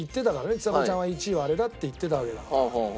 ちさ子ちゃんは１位はあれだって言ってたわけだから。